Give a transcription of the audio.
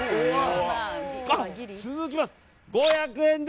続きます。